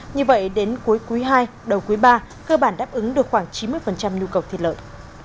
như vậy đến cuối quý ii đầu quý iii cơ bản đáp ứng được khoảng chín mươi nhu cầu thịt lợn